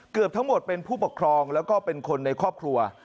เกือบทั้งหมดเป็นผู้ปกครองแล้วก็เป็นคนในครอบครัว